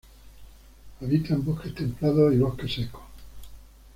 Habita en bosques templados y bosques secos.